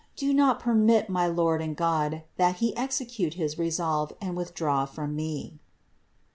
Do not per mit, my Lord and God, that he execute his resolve and withdraw from me."